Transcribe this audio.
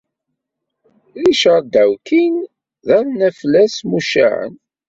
Richard Dawkins d arnaflas mucaɛen.